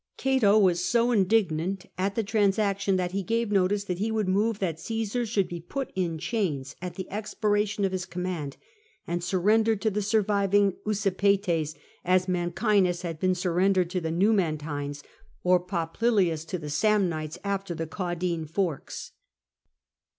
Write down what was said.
Cato was so indignant at the transaction, that he gave notice that he would move that Caesar should be put in chains at the expiration of his command, and surrendered to the surviving Usipetes, as Mancinus had been surrendered to the Numantines, or Poplilius to the Samnites after the Caudine Forks.